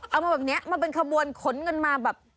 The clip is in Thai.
เอามาแบบนี้มาเป็นขบวนขนเงินมาแบบ